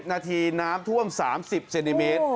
นาทีน้ำท่วม๓๐เซนติเมตร